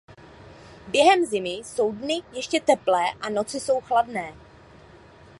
Během zimy jsou dny ještě teplé a noci jsou chladné.